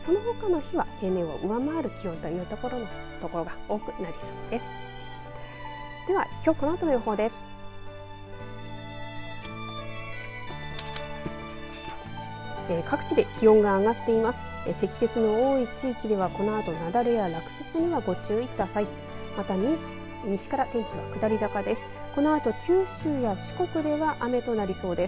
その他の日は平年を上回る気温という所が多くなりそうです。